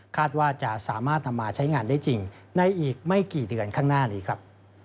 ว่าจะสามารถนำมาใช้งานได้จริงในอีกไม่กี่เดือนข้างหน้านี้ครับ